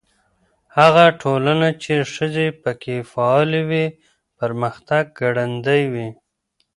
هغه ټولنه چې ښځې پکې فعالې وي، پرمختګ ګړندی وي.